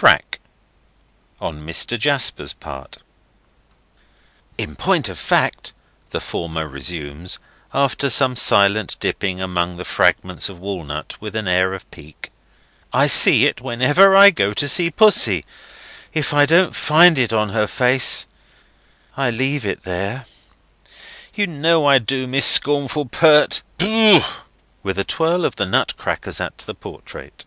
Crack!—on Mr. Jasper's part. "In point of fact," the former resumes, after some silent dipping among his fragments of walnut with an air of pique, "I see it whenever I go to see Pussy. If I don't find it on her face, I leave it there.—You know I do, Miss Scornful Pert. Booh!" With a twirl of the nut crackers at the portrait.